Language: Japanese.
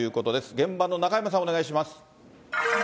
現場の中山さん、お願いします。